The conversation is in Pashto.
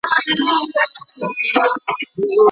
په لاس خط لیکل د زړونو د نږدې کولو لاره ده.